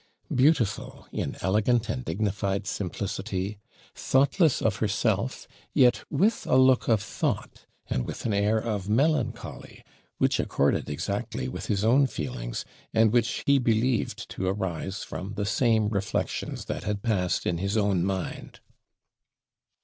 Beautiful in elegant and dignified simplicity thoughtless of herself yet with a look of thought, and with an air of melancholy, which accorded exactly with his own feelings, and which he believed to arise from the same reflections that had passed in his own mind.